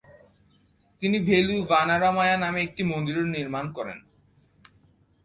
তিনি "ভেলুভানারামায়া" নামে একটি মন্দিরও নির্মাণ করেন।